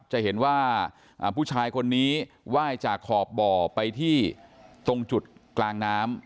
จะเห็นว่าผู้ชายคนนี้ไหว้จากขอบบ่อไปที่ตรงจุดกลางน้ำ